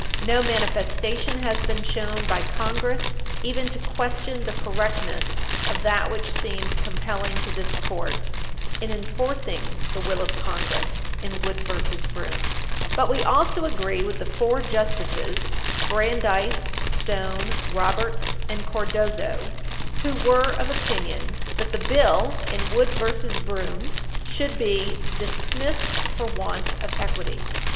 No manifestation has been shown by Congress even to question the correctness of that which seemed compelling to this Court in enforcing the will of Congress in Wood v. Broom. But we also agree with the four Justices (Brandeis, Stone, Roberts, and Cardozo, JJ.) who were of opinion that the bill in Wood v. Broom, supra, should be "dismissed for want of equity."